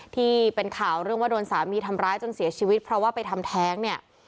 ที่เป็นข่าวเรื่องว่าโดนสามีทำร้ายจนเสียชีวิตเพราะว่าไปทำแท้งเนี่ย